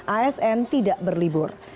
asn tidak berlibur